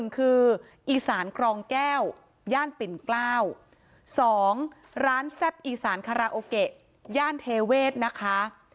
๑คืออีสานกรองแก้วย่านปิ่นเกล้า๒ร้านแซ่บอีสานคาราโอเกะย่านเทเวศนะคะ